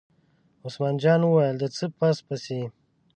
عثمان جان وویل: د څه پس پسي.